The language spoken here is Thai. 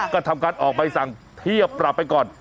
ก็ทำการออกใบสั่งเทียบปรับไปก่อน